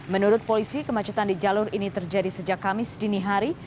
menurut polisi kemacetan di jalur ini terjadi sejak kamis dini hari